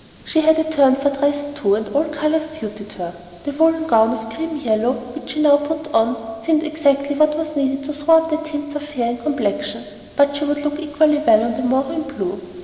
She had a turn for dress too, and all colors suited her. The woollen gown of cream yellow which she now put on seemed exactly what was needed to throw up the tints of her hair and complexion; but she would look equally well on the morrow in blue.